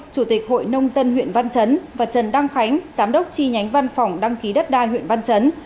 chủ tịch hội nông dân huyện văn chấn và trần đăng khánh giám đốc chi nhánh văn phòng đăng ký đất đai huyện văn chấn